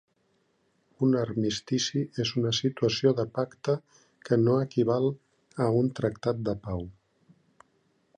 Un armistici és una situació de pacte que no equival a un tractat de pau.